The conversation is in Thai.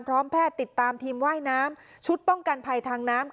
พร้อมแพทย์ติดตามทีมว่ายน้ำชุดป้องกันภัยทางน้ำ